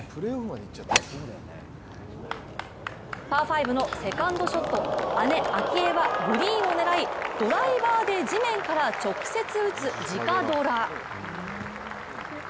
パー５のセカンドショット、姉・明愛は、グリーンを狙いドライバーで地面から直接打つ直ドラ。